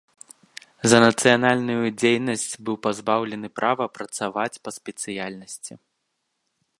За нацыянальную дзейнасць быў пазбаўлены права працаваць па спецыяльнасці.